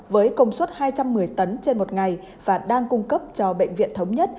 với công suất hai trăm một mươi tấn trên một ngày và đang cung cấp cho bệnh viện thống nhất